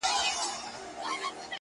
ویل ورک سه زما له مخي له درباره!.!